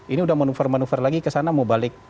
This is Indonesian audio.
ini udah manuver manuver lagi kesana mau balik